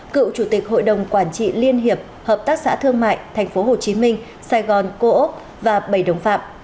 cựu chủ tịch hội đồng quản trị liên hiệp hợp tác xã thương mại tp hcm sài gòn cô ốc và bảy đồng phạm